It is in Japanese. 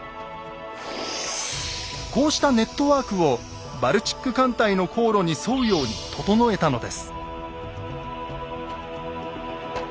こうしたネットワークをバルチック艦隊の航路に沿うように整えたのです。